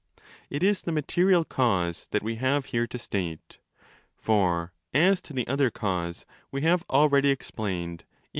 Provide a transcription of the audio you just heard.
It is the material cause that we have here to state. For, as to the other cause, we have already is) ' Cf.